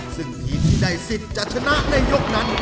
ซึ่งทีมที่ได้สิทธิ์จะชนะในยกนั้น